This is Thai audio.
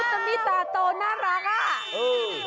สมมุติมิสาโตน่ารักอ่ะ